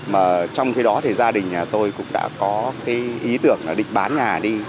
mà trong khi đó thì gia đình nhà tôi cũng đã có cái ý tưởng là định bán nhà đi